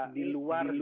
di luar zona kota